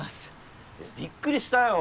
びっくりしたよ。